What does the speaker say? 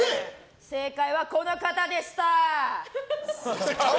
正解はこの方でした！